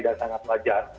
dan sangat wajar